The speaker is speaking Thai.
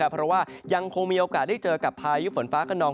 เพราะว่ายังคงมีโอกาสได้เจอกับพายุฝนฟ้าขนอง